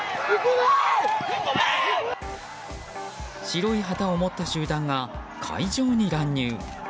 白い旗を持った集団が会場に乱入。